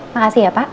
makasih ya pak